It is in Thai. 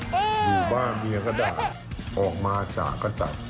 อยู่บ้านเมียก็ด่าออกมาจากกระจ่าง